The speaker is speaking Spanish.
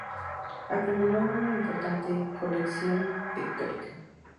Acumuló una importante colección pictórica.